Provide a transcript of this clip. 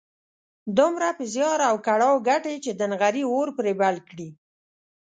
دومره په زيار او کړاو ګټي چې د نغري اور پرې بل کړي.